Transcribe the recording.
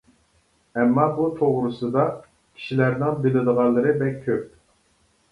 ئەمما بۇ توغرىسىدا كىشىلەرنىڭ بىلىدىغانلىرى بەك كۆپ.